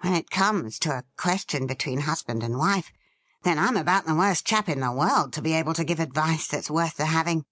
When it comes to a question between husband and wife, then Fm about the worst chap in the world to be able to give advice that's worth the having.'